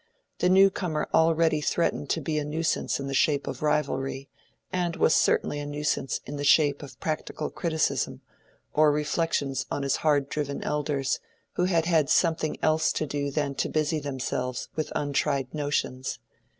The new comer already threatened to be a nuisance in the shape of rivalry, and was certainly a nuisance in the shape of practical criticism or reflections on his hard driven elders, who had had something else to do than to busy themselves with untried notions.